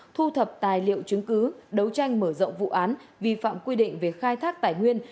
thu thập tài liệu chứng cứ đấu tranh mở rộng vụ án vi phạm quy định về khai thác tài nguyên